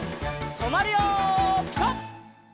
とまるよピタ！